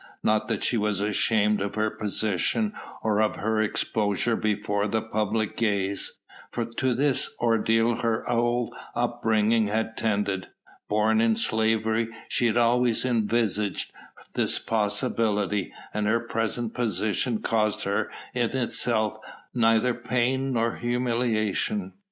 Not that she was ashamed of her position or of her exposure before the public gaze, for to this ordeal her whole upbringing had tended. Born in slavery, she had always envisaged this possibility, and her present position caused her in itself neither pain nor humiliation.